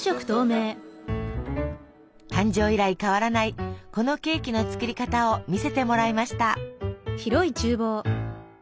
誕生以来変わらないこのケーキの作り方を見せてもらいました。